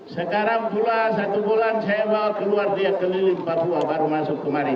sekarang pula satu bulan saya bawa keluar dia keliling papua baru masuk kemari